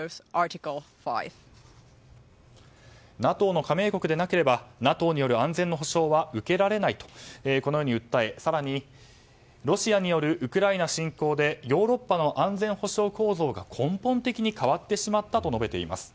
ＮＡＴＯの加盟国でなければＮＡＴＯによる安全の保障は受けられないと訴え更に、ロシアによるウクライナ侵攻でヨーロッパの安全保障構造が根本的に変わってしまったと述べています。